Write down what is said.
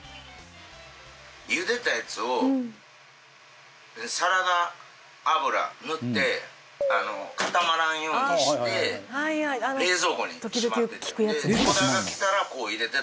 ゆでたやつをサラダ油塗って固まらんようにして冷蔵庫にしまって。